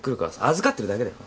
預かってるだけだよ。